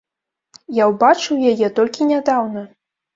Я ўбачыў яе толькі нядаўна.